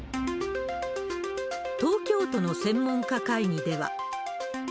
東京都の専門家会議では。